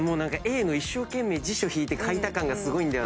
Ａの一生懸命辞書引いて書いた感がすごいんだよな。